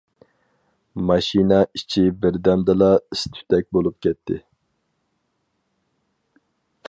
ماشىنا ئىچى بىردەمدىلا ئىس تۈتەك بولۇپ كەتتى.